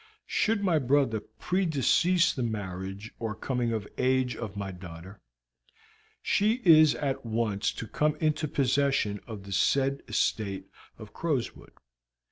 Should my brother predecease the marriage or coming of age of my daughter, she is at once to come into possession of the said estate of Crowswood.